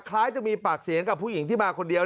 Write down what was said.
คล้ายจะมีปากเสียงกับผู้หญิงที่มาคนเดียว